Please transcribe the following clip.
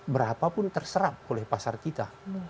berapa pun terserap oleh pasar kita